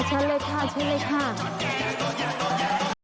ชัดเลยค่ะชัดเลยค่ะ